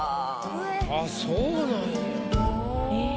あっそうなんや。